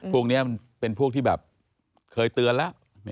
พวกเนี่ยเป็นพวกที่แบบเคยเตือนะ